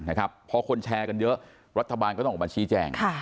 เพราะคนแชร์กันเยอะรัฐบาลก็ต้องขอบัญชีแจ้ง